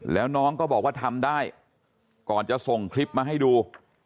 แล้วน้องก็บอกว่าทำได้ก่อนจะส่งคลิปมาให้ดู